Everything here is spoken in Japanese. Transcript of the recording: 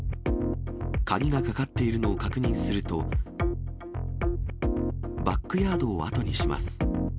鍵がかかっているのを確認すると、バックヤードを後にします。